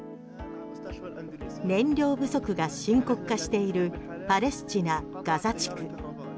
燃料不足が深刻化しているパレスチナ・ガザ地区。